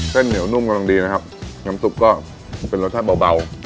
เส้นเหนียวนุ่มกำลังดีนะครับน้ำซุปก็เป็นรสชาติเบา